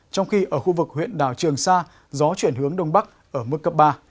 trong khi ở khu vực huyện đảo trường sa gió chuyển hướng đông bắc ở mức cấp ba